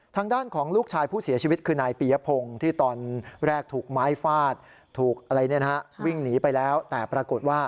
ทางด้านของลูกชายผู้เสียชีวิตคือนายปียพงศ์